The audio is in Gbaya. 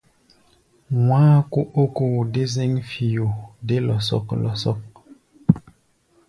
Wá̧á̧ kó ó ókó-de-zɛ̌ŋ-fio dé lɔsɔk-lɔsɔk.